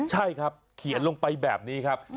ใช่ครับเขียนลงไปแบบนี้ครับ